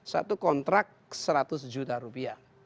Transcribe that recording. satu kontrak seratus juta rupiah